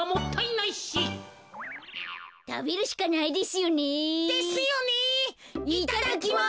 いただきます。